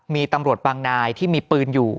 มีตำรวจบางนายที่มีปืนอยู่